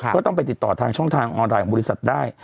ก็ต้องไปติดต่อทางช่องทางออนไลน์ของบริษัทได้